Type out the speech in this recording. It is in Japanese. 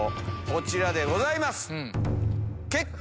こちらでございます。